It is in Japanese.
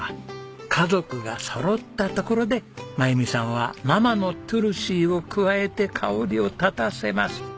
家族がそろったところで真由美さんは生のトゥルシーを加えて香りを立たせます。